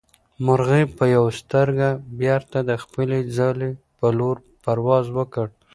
مرغۍ په یوه سترګه بېرته د خپلې ځالې په لور پرواز وکړ.